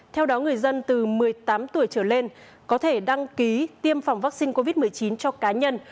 theo đó người dân từ một mươi tám tuổi trở lên có thể đăng ký tiêm phòng vaccine covid một mươi chín cho cá nhân